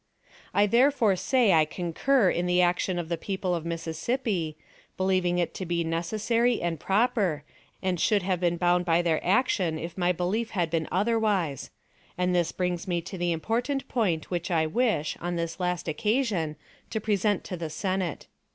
"I, therefore, say I concur in the action of the people of Mississippi, believing it to be necessary and proper, and should have been bound by their action if my belief had been otherwise; and this brings me to the important point which I wish, on this last occasion, to present to the Senate.